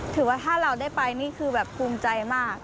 ถือว่าถ้าเราได้ไปนี่คือแบบภูมิใจมาก